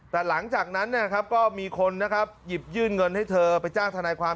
แต่หลังจากนั้นก็มีคนนะครับหยิบยื่นเงินให้เธอไปจ้างทนายความ